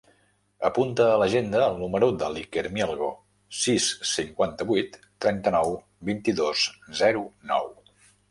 Apunta a l'agenda el número de l'Iker Mielgo: sis, cinquanta-vuit, trenta-nou, vint-i-dos, zero, nou.